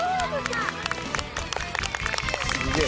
すげえ。